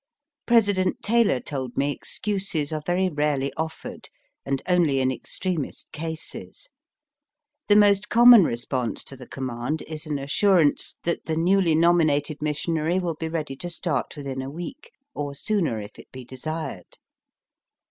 President Taylor told me excuses are very rarely offered, and only in extremest cases. The most common response to the command is an assurance that the newly nominated missionary will be ready to start within a week, or sooner if it be desired.